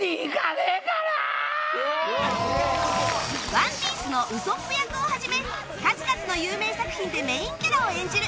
『ＯＮＥＰＩＥＣＥ』のウソップ役をはじめ数々の有名作品でメインキャラを演じる